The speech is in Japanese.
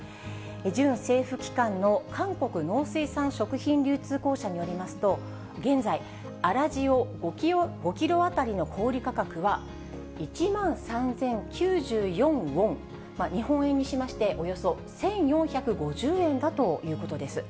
準政府機関の韓国農水産食品流通公社によりますと、現在、粗塩５キロ当たりの小売り価格は、１万３０９４ウォン、日本円にしましておよそ１４５０円だということです。